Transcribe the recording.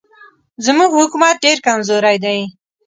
زموږ حکومت ډېر کمزوری دی.